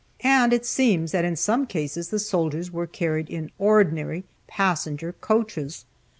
And it seems that in some cases the soldiers were carried in ordinary passenger coaches.